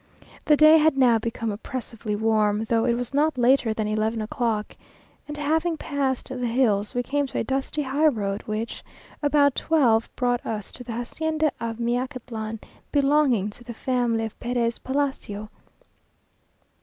The day had now become oppressively warm, though it was not later than eleven o'clock; and having passed the hills, we came to a dusty high road, which, about twelve, brought us to the hacienda of Meacatlan, belonging to the family of Perez Palacio.